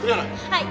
はい！